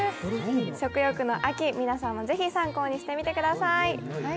食欲の秋、皆さんもぜひ参考にしてみてください。